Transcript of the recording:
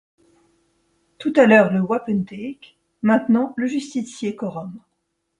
Tout à l’heure le wapentake, maintenant le justicier-quorum.